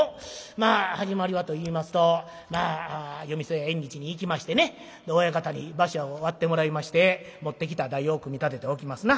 まあ始まりはといいますと夜店や縁日に行きましてね親方に場所を割ってもらいまして持ってきた台を組み立てておきますな。